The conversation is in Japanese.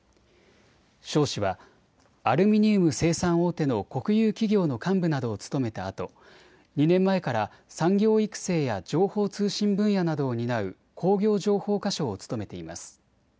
肖氏はアルミニウム生産大手の国有企業の幹部などを務めたあと２年前から産業育成や情報通信分野などを担う工業情報化相を務めています。